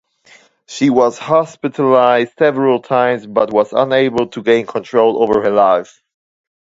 She was hospitalised several times but was unable to gain control over her life.